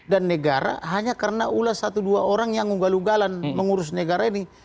dan negara hanya karena ulas satu dua orang yang ngunggal ngugalan mengurus negara ini